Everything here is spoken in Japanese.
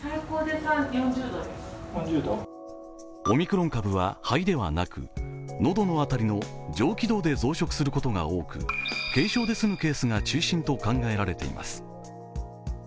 オミクロン株は肺ではなく、喉の辺りの上気道で増殖することが多く軽症で済むケースが中心と考えられています。